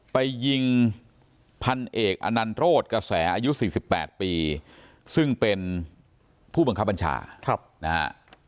ไปยิงพันเอกอนันโรศกระแสอายุ๔๘ปีซึ่งเป็นผู้บังคับบัญชานะฮะ